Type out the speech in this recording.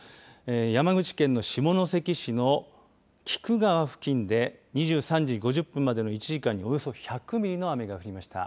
山口県の下関市の菊川付近で２３時５０分までの１時間におよそ１００ミリの雨が降りました。